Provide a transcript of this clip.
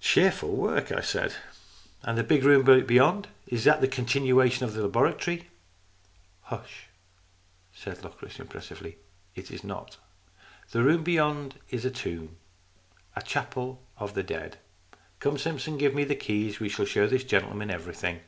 "Cheerful work," I said. "And the big room beyond? Is that a continuation of the labora tory ?"" Hush !" said Locris, impressively. " It is not. The room beyond is a tomb a chapel of the dead. LOCRIS OF THE TOWER an Come, Simpson, give me the keys. We shall show this gentleman everything."